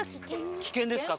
危険ですか？